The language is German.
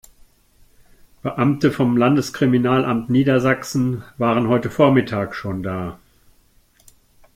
Beamte vom Landeskriminalamt Niedersachsen waren heute Vormittag schon da.